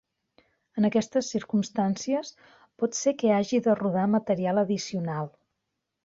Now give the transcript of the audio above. En aquestes circumstàncies, pot ser que hagi de rodar material addicional.